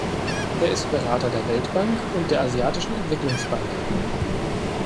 Er ist Berater der Weltbank und der Asiatischen Entwicklungsbank.